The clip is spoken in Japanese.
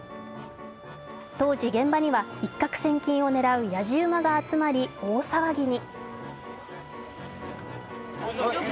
当時、現場には一獲千金を狙うやじ馬が集まり、大騒ぎに。